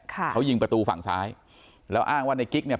เขายิงประตูฝั่งซ้ายแล้วอ้างว่าในกิ๊กเนี่ย